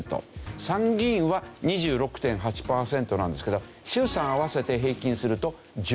参議院は２６．８パーセントなんですけど衆参合わせて平均すると１６パーセント。